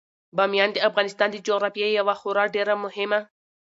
بامیان د افغانستان د جغرافیې یوه خورا غوره او لوړه بېلګه ده.